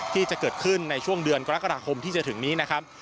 ที่จะเกิดขึ้นในช่วงเดือนกรกฎาคมที่จะถึงนี้นะครับ